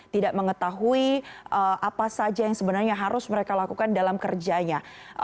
tidak mengetahui apa saja yang sebenarnya harus mereka lakukan dalam kerjanya